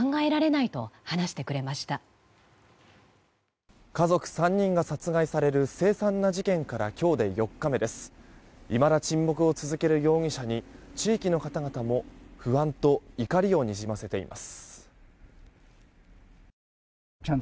いまだ沈黙を続ける容疑者に地域の方々も不安と怒りをにじませています。